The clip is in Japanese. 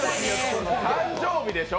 誕生日でしょ！？